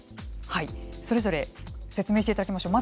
それぞれ説明していただきましょう。